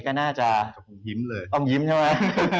ก็น่าจะต้องยิ้มใช่ไหม